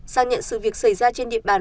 xác nhận sự việc xảy ra trên địa bàn